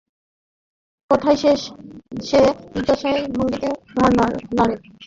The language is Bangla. কথার শেষে সে জিজ্ঞাসার ভঙ্গিতে ঘাড় নাড়ে।